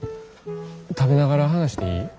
食べながら話していい？